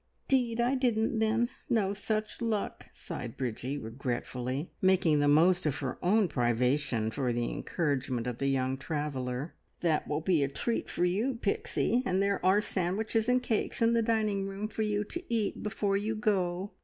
"'Deed I didn't, then. No such luck!" sighed Bridgie regretfully, making the most of her own privation for the encouragement of the young traveller. "That will be a treat for you, Pixie, and there are sandwiches and cakes in the dining room for you to eat before you go.